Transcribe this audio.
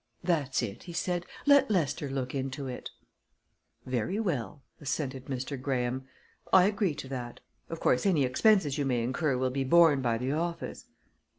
"That's it," he said. "Let Lester look into it." "Very well," assented Mr. Graham. "I agree to that. Of course, any expenses you may incur will be borne by the office."